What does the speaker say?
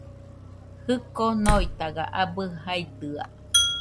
Jiko noitaga abɨ jaidɨa